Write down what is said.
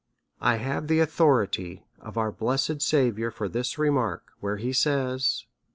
I have the authority of our blessed Saviour for this re mark, where he says.